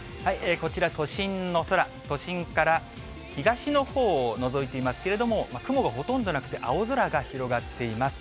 こちら、都心の空、都心から東のほうをのぞいていますけれども、雲がほとんどなくて、青空が広がっています。